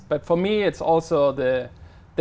sự trọng đồng